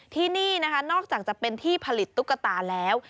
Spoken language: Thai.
ที่นี่นะคะนอกจากจะเป็นที่ผลิตตุ๊กตาแล้ว